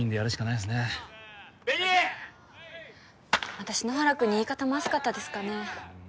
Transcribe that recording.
私野原くんに言い方まずかったですかね？